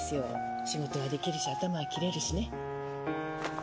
仕事はできるし頭はきれるしね。